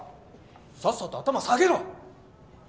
さっさと頭下げろ！